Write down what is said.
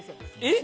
え？